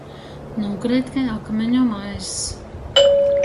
Nūkreit kai akmiņu maiss.